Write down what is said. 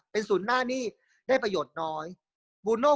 เป็นศูนย์หน้านี้ได้ประโยชน์น้อยบูโน่